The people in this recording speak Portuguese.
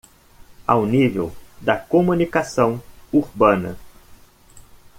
Ao nível da comunicação urbana